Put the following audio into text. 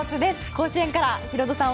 甲子園からヒロドさん